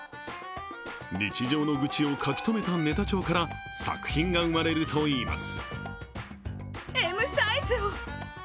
日常の愚痴を書き留めたネタ帳から作品が生まれるといいます。